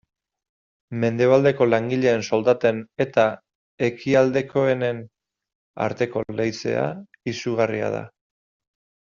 Mendebaldeko langileen soldaten eta ekialdekoenen arteko leizea izugarria da.